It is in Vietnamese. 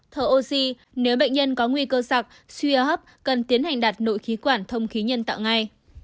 thở oxy nếu bệnh nhân có nguy cơ sặc suy hấp cần tiến hành đặt nội khí quản thông khí nhân tạo ngay